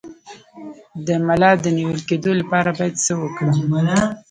د ملا د نیول کیدو لپاره باید څه وکړم؟